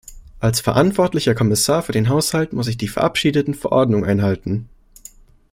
Als verantwortlicher Kommissar für den Haushalt muss ich die verabschiedeten Verordnungen einhalten.